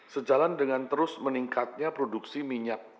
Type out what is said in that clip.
sejalan dengan melambatnya investasi pengeluaran pemerintah dan masih lemahnya konsumsi